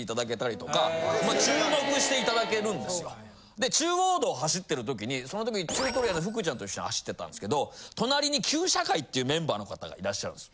で中央道走ってる時にその時チュートリアル福ちゃんと一緒に走ってたんですけど隣に旧車會っていうメンバーの方がいらっしゃるんです。